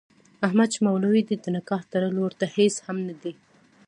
احمد چې مولوي دی د نکاح تړل ورته هېڅ هم نه دي.